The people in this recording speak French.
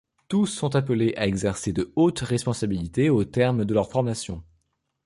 Tous sont appelés à exercer de hautes responsabilités au terme de leur formation.